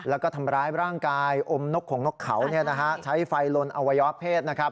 และทำร้ายร่างกายอมนกของนกเขาใช้ไฟลนอวยาเผส